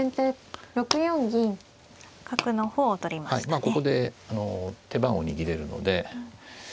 ここで手番を握れるので。